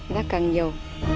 rác càng nhiều